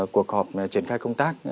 cuộc họp triển khai công tác